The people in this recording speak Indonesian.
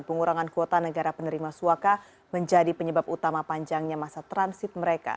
pengurangan kuota negara penerima suaka menjadi penyebab utama panjangnya masa transit mereka